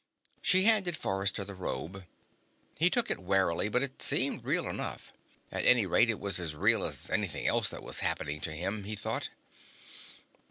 She handed Forrester the robe. He took it warily, but it seemed real enough. At any rate, it was as real as anything else that was happening to him, he thought.